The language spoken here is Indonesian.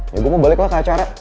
ya gue mau balik lah ke acara